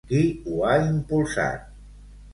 Qui ho ha impulsat?